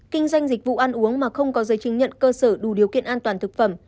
kinh doanh dịch vụ ăn uống mà không có giấy chứng nhận cơ sở đủ điều kiện an toàn thực phẩm